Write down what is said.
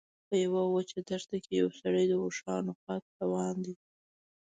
په یوه وچه دښته کې یو سړی د اوښانو خواته روان دی.